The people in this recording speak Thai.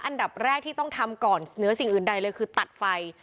อันดับแรกที่ต้องทำก่อนเหนือสิ่งอื่นใดเลยคือตัดไฟ